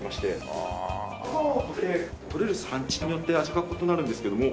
カカオってとれる産地によって味が異なるんですけども。